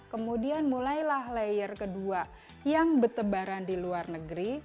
kemudian mulailah layer kedua yang bertebaran di luar negeri